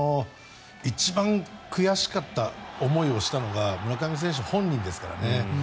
一番悔しかった思いをしたのが村上選手本人ですからね。